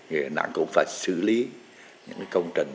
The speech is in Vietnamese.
thì điện hải cũng phải xử lý những công trình